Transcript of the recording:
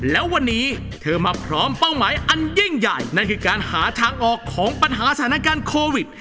แล้ววันนี้เธอมาพร้อมเป้าหมายอันยิ่งใหญ่นั่นคือการหาทางออกของปัญหาสถานการณ์โควิด